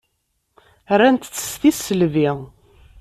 Rant-tt s tisselbi.